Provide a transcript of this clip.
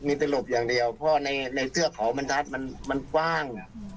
มีแต่หลบอย่างเดียวเพราะในเทือกเขามันรัดมันกว้าง